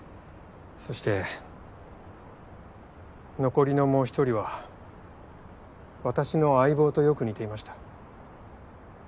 そして残りのもう１人は私の相棒とよく似ていました。